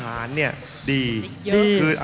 มาเยือนทินกระวีและสวัสดี